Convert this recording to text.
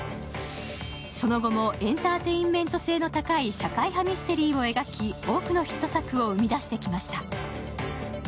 その後も、エンターテインメント性の高い社会派ミステリーを描き多くのヒット作を生み出してきました。